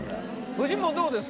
フジモンどうですか？